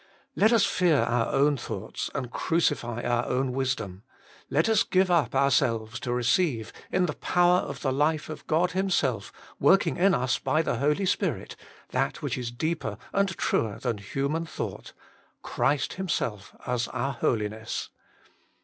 Let us fear our own thoughts, and crucify our own wisdom. Let us give up ourselves to receive, in the power of the life of God Himself, working in us by the Holy Spirit, that which is deeper and truer than human thought, Christ Himself as our Holiness.